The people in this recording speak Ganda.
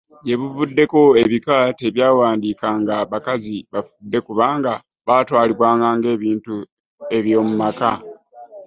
Gye buvuddeko, ebika tebyawandiikanga bakazi bafudde kubanga baatwalibwanga ng'ebintu eby’omu maka.